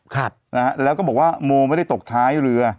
ครับนะฮะแล้วก็บอกว่าโมไม่ได้ตกท้ายเรือ